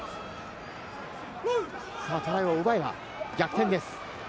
トライを奪えば逆転です。